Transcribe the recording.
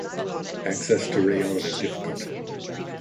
Access to Rayones is difficult.